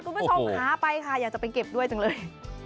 คุณผู้ชมหาไปค่ะอยากจะไปเก็บด้วยจังเลย